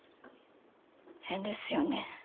変ですよね。